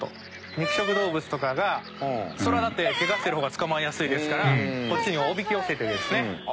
肉食動物とかがそりゃだってケガしてる方が捕まえやすいですからこっちにおびき寄せてるんですね。